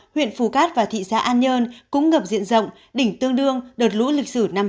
huyện phù cát và thị xã an nhơn cũng ngập diện rộng đỉnh tương đương đợt lũ lịch sử năm hai nghìn một mươi